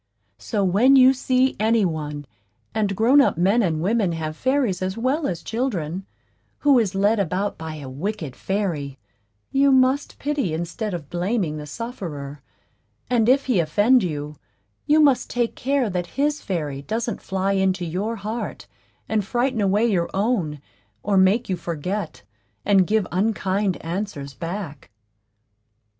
So, when you see any one and grown up men and women have fairies as well as children who is led about by a wicked fairy, you must pity instead of blaming the sufferer; and if he offend you, you must take care that his fairy doesn't fly into your heart and frighten away your own, or make you forget, and give unkind answers back.